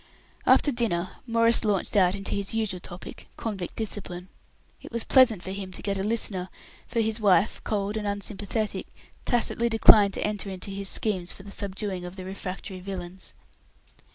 After dinner Maurice launched out into his usual topic convict discipline. It was pleasant for him to get a listener; for his wife, cold and unsympathetic, tacitly declined to enter into his schemes for the subduing of the refractory villains.